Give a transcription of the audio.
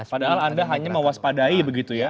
padahal anda hanya mewaspadai begitu ya